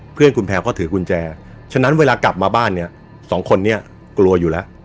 เพื่อนคุณแพลวก็ถือกุญแจฉะนั้นเวลากลับมาบ้านเนี่ยสองคนนี้กลัวอยู่แล้ว